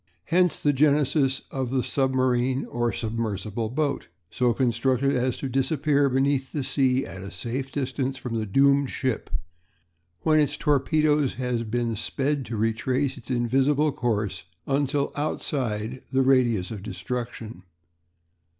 Hence the genesis of the submarine or submersible boat, so constructed as to disappear beneath the sea at a safe distance from the doomed ship, and when its torpedo has been sped to retrace its invisible course until outside the radius of destruction.